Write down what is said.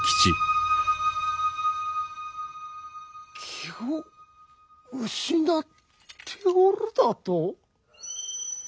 気を失っておるだと？